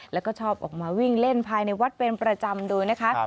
แล้วก็ชอบออกมาวิ่งเล่นภายในวัดเป็นประจำด้วยนะคะ